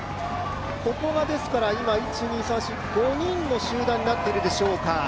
ここが今、５人の集団になっているでしょうか。